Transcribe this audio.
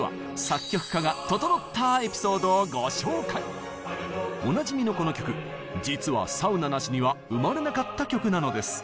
続いてはおなじみのこの曲実はサウナなしには生まれなかった曲なのです。